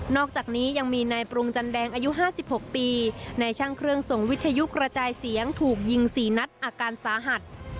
อกจากนี้ยังมีนายปรุงจันแดงอายุ๕๖ปีนายช่างเครื่องส่งวิทยุกระจายเสียงถูกยิง๔นัดอาการสาหัส